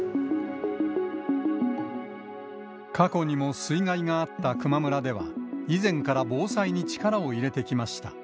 過去にも水害があった球磨村では、以前から防災に力を入れてきました。